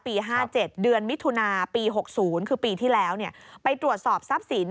๕๗เดือนมิถุนาปี๖๐คือปีที่แล้วไปตรวจสอบทรัพย์สิน